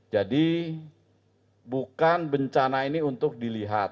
jadi bukan bencana ini untuk dilihat